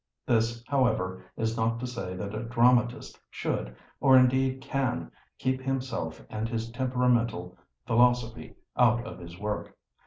This, however, is not to say that a dramatist should, or indeed can, keep himself and his temperamental philosophy out of his work.